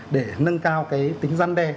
để nâng cao cái tính gian đe